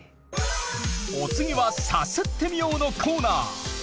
お次は「サスってみよう」のコーナー。